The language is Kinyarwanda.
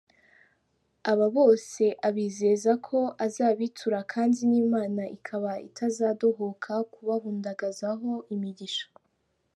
Aba bose abizeza ko azabitura kandi n’Imana ikaba itazadohoka kubahundagazaho imigisha.